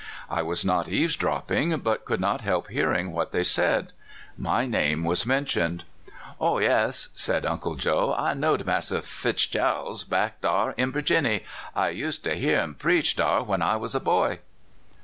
I was not eavesdropping, but could not help hearing what they said. My name was mentioned. "O yes," said Uncle Joe; "I knowed Massa Fitchjarals back dar in Virginny. I use ter hear 7 im preach dar when I was a boy."